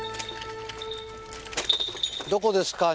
どこですか？